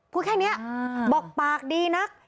พูดแค่นี้บอกปากดีนัก